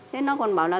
thế nó còn bảo là